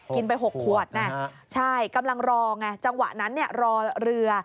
ไป๖ขวดนะใช่กำลังรอไงจังหวะนั้นรอเรือ